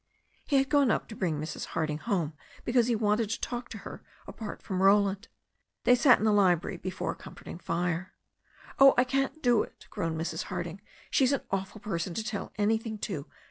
He had gone up to bring Mrs. Harding home because he wanted to talk to her apart from Roland. They sat in the library before a comforting fire. "Oh, I can't do it," groaned Mrs. Harding. "She's an awful person to tell anything to.